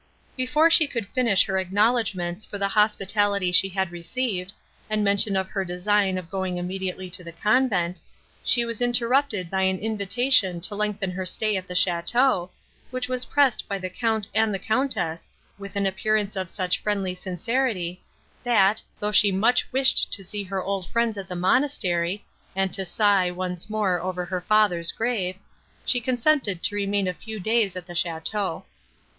Before she could finish her acknowledgments for the hospitality she had received, and mention of her design of going immediately to the convent, she was interrupted by an invitation to lengthen her stay at the château, which was pressed by the Count and the Countess, with an appearance of such friendly sincerity, that, though she much wished to see her old friends at the monastery, and to sigh, once more, over her father's grave, she consented to remain a few days at the château.